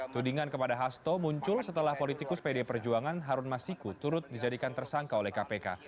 tudingan kepada hasto muncul setelah politikus pd perjuangan harun masiku turut dijadikan tersangka oleh kpk